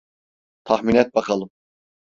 Tahmin et bakalım.